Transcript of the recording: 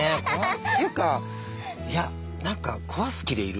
っていうかいや何か壊す気でいる？